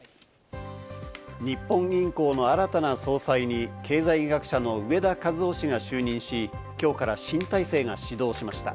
日本銀行の新たな総裁に経済学者の植田和男氏が就任し、今日から新体制が始動しました。